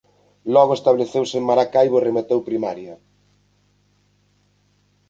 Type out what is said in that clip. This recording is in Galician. Logo estableceuse en Maracaibo e rematou primaria.